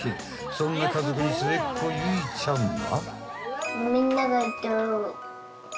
［そんな家族に末っ子結ちゃんは］